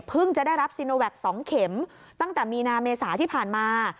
จะได้รับซีโนแวค๒เข็มตั้งแต่มีนาเมษาที่ผ่านมา